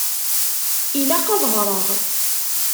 Ilaq ad ɣṛeɣ.